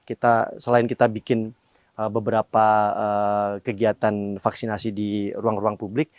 kita selain kita bikin beberapa kegiatan vaksinasi di ruang ruang publik